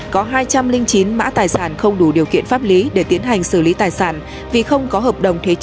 có hai trăm linh chín mã tài sản không đủ điều kiện pháp lý để tiến hành xử lý tài sản vì không có hợp đồng thuê